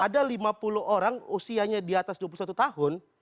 ada lima puluh orang usianya di atas dua puluh satu tahun